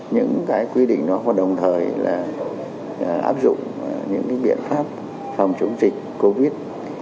những cái quy định đó và đồng thời là áp dụng những cái biện pháp phòng chống dịch covid một mươi chín